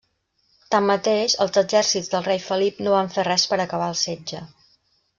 Tanmateix, els exèrcits del rei Felip no van fer res per acabar el setge.